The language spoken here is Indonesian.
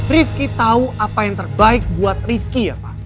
rizky tau apa yang terbaik buat rizky ya pa